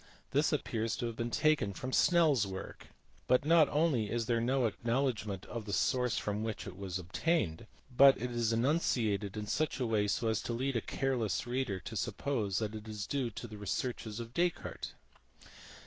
This appears to have been taken from SnelPs work (see above, p. 256), but not only is there no acknowledgment of the source from which it was obtained, but it is enunciated in such a way as to lead a careless reader to suppose that it is due to the researches of Descartes.